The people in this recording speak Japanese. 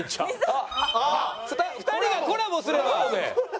あっ２人がコラボすれば。